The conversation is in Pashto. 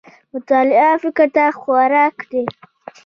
مطالعه فکر ته خوراک دی